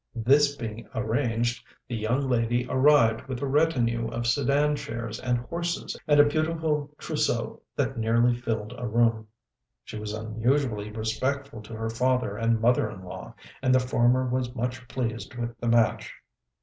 This being arranged, the young lady arrived with a retinue of sedan chairs, and horses, and a beautiful trousseau that nearly filled a room. She was unusually respectful to her father and mother in law, and the former was much pleased with the match.